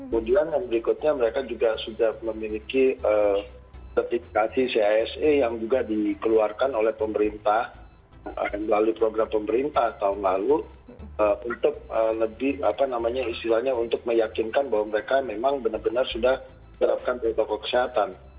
kemudian yang berikutnya mereka juga sudah memiliki sertifikasi cisa yang juga dikeluarkan oleh pemerintah melalui program pemerintah tahun lalu untuk lebih apa namanya istilahnya untuk meyakinkan bahwa mereka memang benar benar sudah menerapkan protokol kesehatan